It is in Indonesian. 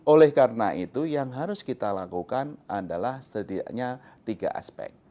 oleh karena itu yang harus kita lakukan adalah setidaknya tiga aspek